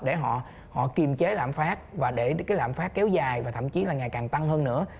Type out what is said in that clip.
để họ kiềm chế lạm phát và để cái lạm phát kéo dài và thậm chí là ngày càng tăng hơn nữa